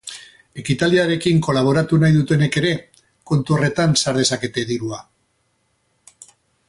Ekitaldiarekin kolaboratu nahi dutenek ere kontu horretan sar dezakete dirua.